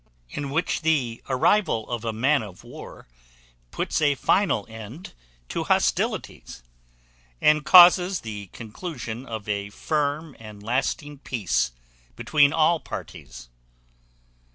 In which the arrival of a man of war puts a final end to hostilities, and causes the conclusion of a firm and lasting peace between all parties.